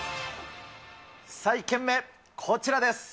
さあ、１軒目、こちらです。